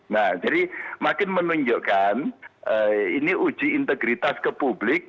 nah jadi makin menunjukkan ini uji integritas ke publik